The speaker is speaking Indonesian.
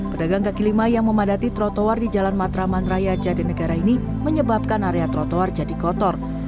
pedagang kaki lima yang memadati trotoar di jalan matraman raya jatinegara ini menyebabkan area trotoar jadi kotor